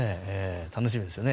楽しみですよね。